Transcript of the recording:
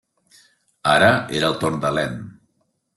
Ara era el torn de Ien.